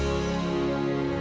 bagus tempatnya tuh